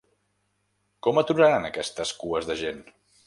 Com aturaran aquestes cues de gent?